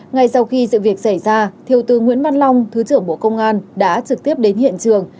ngay sau khi sự việc xảy ra thiếu tướng nguyễn văn long thứ trưởng bộ công an đã trực tiếp đến hiện trường